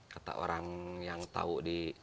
kata orang yang tahu di